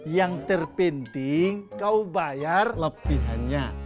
yang terpenting kau bayar lebihannya